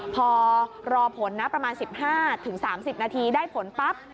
พอรอผลนะประมาณ๑๕๓๐นาทีได้ผลปั๊บ